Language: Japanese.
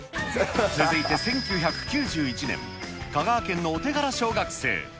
続いて１９９１年、香川県のお手柄小学生。